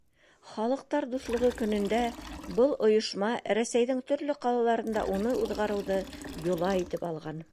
Халыҡтар дуҫлығы көнөндә был ойошма Рәсәйҙең төрлө ҡалаларында уны уҙғарыуҙы йола итеп алған.